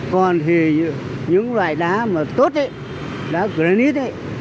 còn thì những loại đá mà tốt ấy đá granite ấy